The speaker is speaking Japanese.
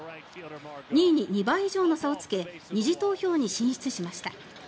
２位に２倍以上の差をつけ２次投票に進出しました。